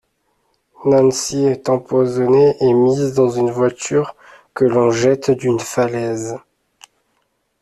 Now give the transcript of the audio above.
Nancy est empoisonnée et mise dans une voiture que l'on jette d'une falaise.